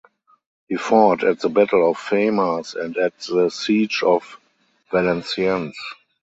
He fought at the battle of Famars and at the siege of Valenciennes.